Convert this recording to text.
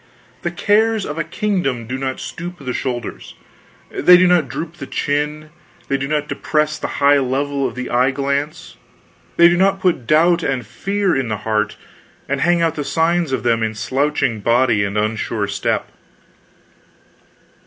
The cares of a kingdom do not stoop the shoulders, they do not droop the chin, they do not depress the high level of the eye glance, they do not put doubt and fear in the heart and hang out the signs of them in slouching body and unsure step.